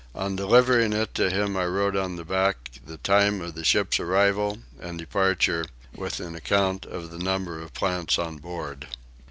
On delivering it to him I wrote on the back the time of the ship's arrival and departure, with an account of the number of plants on board.